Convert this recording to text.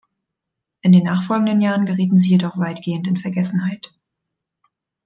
In den nachfolgenden Jahre gerieten sie jedoch weitgehend in Vergessenheit.